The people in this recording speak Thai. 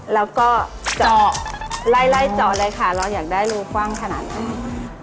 แล้วก็ล่างใจเลยคะเราอยากได้รูกกว้างขนาดนั้น